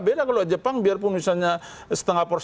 beda kalau jepang biarpun misalnya setengah porsi